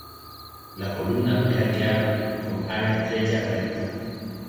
La columna es arqueada con ala estrecha, recta.